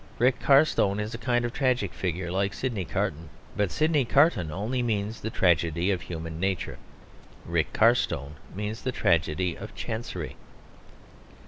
Rick Carstone is a kind and tragic figure, like Sidney Carton; but Sidney Carton only means the tragedy of human nature; Rick Carstone means the tragedy of Chancery.